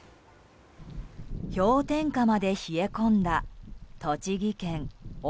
氷点下まで冷え込んだ栃木県奥